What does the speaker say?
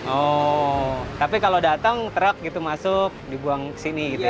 oh tapi kalau datang truk gitu masuk dibuang ke sini gitu ya